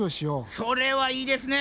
それはいいですね。